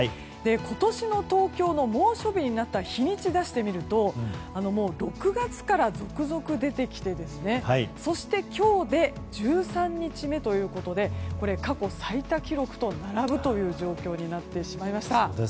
今年の東京の猛暑日になった日にちを出してみるともう６月から続々出てきてそして今日で１３日目ということで過去最多記録と並ぶという状況になってしまいました。